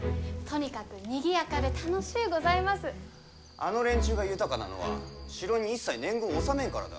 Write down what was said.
あの連中が豊かなのは城に一切年貢を納めんからだ。